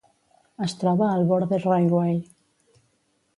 Es troba al Borders Railway.